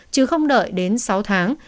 chứ không đợi đến sáu tháng